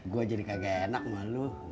gue jadi kagak enak mah lu